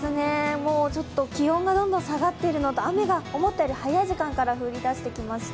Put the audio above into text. ちょっと気温がどんどん下がっているのと雨が思ったより早い時間から降りだしてきました。